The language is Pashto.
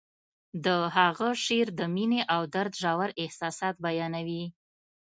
د هغه شعر د مینې او درد ژور احساسات بیانوي